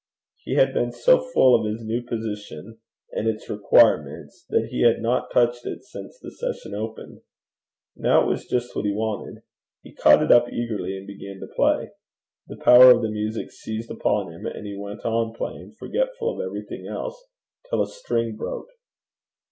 He had been so full of his new position and its requirements, that he had not touched it since the session opened. Now it was just what he wanted. He caught it up eagerly, and began to play. The power of the music seized upon him, and he went on playing, forgetful of everything else, till a string broke.